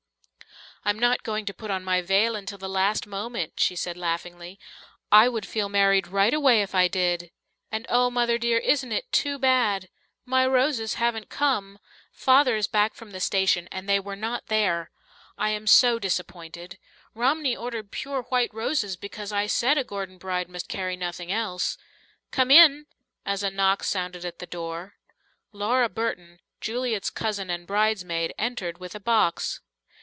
"I'm not going to put on my veil until the last moment," she said laughingly. "I would feel married right away if I did. And oh, Mother dear, isn't it too bad? My roses haven't come. Father is back from the station, and they were not there. I am so disappointed. Romney ordered pure white roses because I said a Gordon bride must carry nothing else. Come in" as a knock sounded at the door. Laura Burton, Juliet's cousin and bridesmaid, entered with a box.